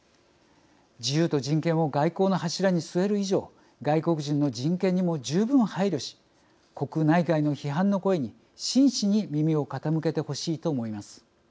自由と人権を外交の柱に据える以上外国人の人権にも十分配慮し国内外の批判の声に真摯に耳を傾けてほしいと思います。